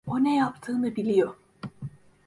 O ne yaptığını biliyor.